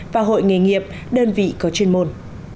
và hội nghề nghiệp đơn vị có chuyên môn